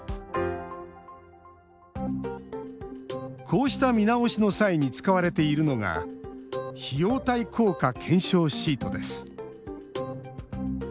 こうした見直しの際に使われているのが費用対効果検証シートです。